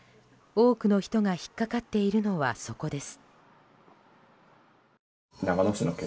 多くの人が引っ掛かっているのはそこです。